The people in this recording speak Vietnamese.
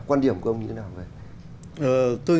quan điểm của ông như thế nào vậy